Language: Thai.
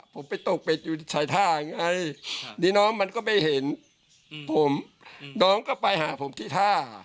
ผมไปตกเป็ดอยู่ที่สายท่าไงดีน้องมันก็ไม่เห็นผมน้องก็ไปหาผมที่ท่า